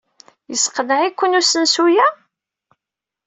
Yesseqneɛ-iken usensu-a?